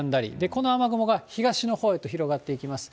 この雨雲が東のほうへと広がっていきます。